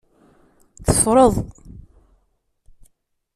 Teffreḍ.